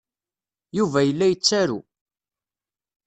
Yuba yella yettaru.